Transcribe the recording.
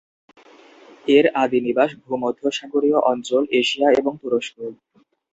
এর আদি নিবাস ভূমধ্যসাগরীয় অঞ্চল, এশিয়া এবং তুরস্ক।